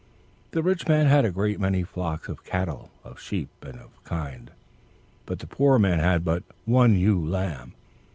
The rich man had a great many flocks of cattle, of sheep, and of kine; but the poor man had but one ewe lamb.